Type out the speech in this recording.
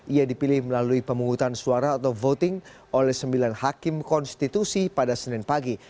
ia dipilih melalui pemungutan suara atau voting oleh sembilan hakim konstitusi pada senin pagi